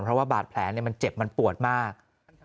เพราะว่าบาดแผลมันเจ็บมันปวดมาก